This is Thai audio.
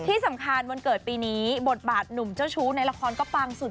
ที่สำคัญวันเกิดปีนี้บทบาทหนุ่มเจ้าชู้ในละครก็ปังสุด